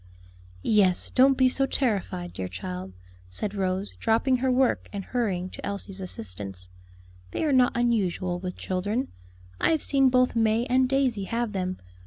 "Yes; don't be so terrified, dear child," said Rose, dropping her work and hurrying to Elsie's assistance; "they are not unusual with children; I have seen both May and Daisy have them.